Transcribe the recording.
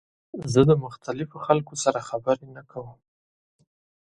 زه د مختلفو خلکو سره خبرې نه کوم.